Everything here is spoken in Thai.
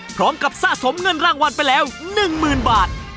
พร้อมกับสะสมเงินรางวัลไปแล้ว๑๐๐๐๐บาท